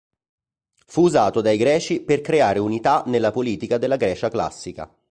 Fu usato dai Greci per creare unità nella politica della Grecia classica.